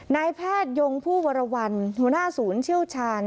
แพทยงผู้วรวรรณหัวหน้าศูนย์เชี่ยวชาญ